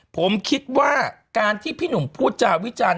ผมคิดว่าการที่พี่หนุ่มพูดจาวิจันท